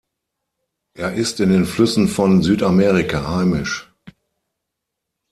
Er ist in den Flüssen von Südamerika heimisch.